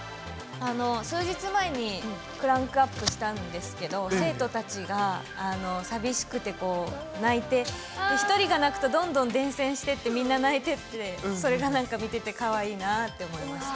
数日前にクランクアップしたんですけど、生徒たちが寂しくて泣いて、１人が泣くとどんどん伝染していって、みんな泣いてって、それがなんか見ててかわいいなって思いました。